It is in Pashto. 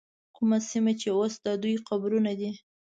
کومه سیمه کې چې اوس د دوی قبرونه دي.